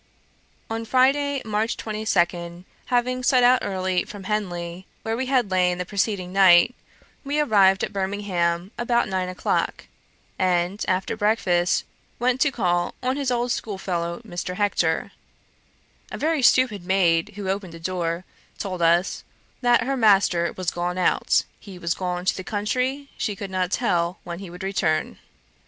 On Friday, March 22, having set out early from Henley, where we had lain the preceding night, we arrived at Birmingham about nine o'clock, and, after breakfast, went to call on his old schoolfellow Mr. Hector. A very stupid maid, who opened the door, told us, that 'her master was gone out; he was gone to the country; she could not tell when he would return.'